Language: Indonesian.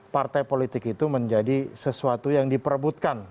partai politik itu menjadi sesuatu yang diperebutkan